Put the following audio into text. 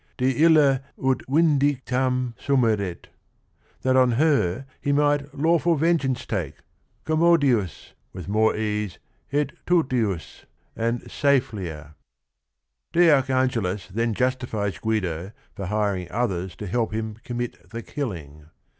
De ilia ut vindictam sumeret, That on her he might lawful vengeance take, Commodius with more ease, et tutius, And safelier." De Archangelis then justifies Guido for hiring others to help him commit "the killing."